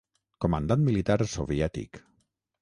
Comandant militar soviètic.